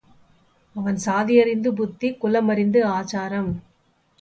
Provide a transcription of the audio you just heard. அவன் சாதி அறிந்த புத்தி, குலம் அறிந்த ஆசாரம்.